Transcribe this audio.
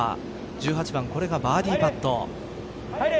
１８番これがバーディーパット。